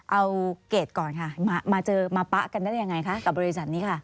เอาเกรดก่อนค่ะมาเจอมาปะกันได้ยังไงคะกับบริษัทนี้ค่ะ